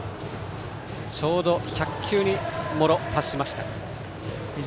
ちょうど１００球に達しました、茂呂。